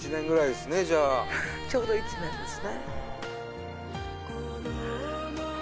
ちょうど１年ですね。